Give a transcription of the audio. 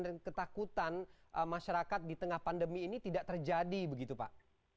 dan ketakutan masyarakat di tengah pandemi ini tidak terjadi begitu pak